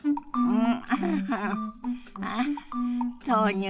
うん。